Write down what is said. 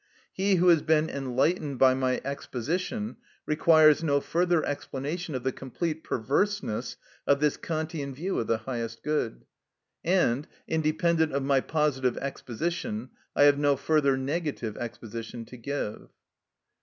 He who has been enlightened by my exposition requires no further explanation of the complete perverseness of this Kantian view of the highest good. And, independent of my positive exposition, I have no further negative exposition to give.